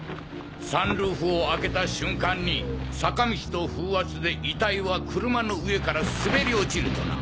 サンルーフを開けた瞬間に坂道と風圧で遺体は車の上から滑り落ちるとな。